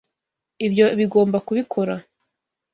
Ibyo bigomba kubikora.